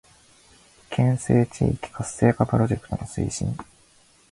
県西地域活性化プロジェクトの推進